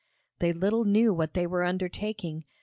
They little knew what they were undertaking.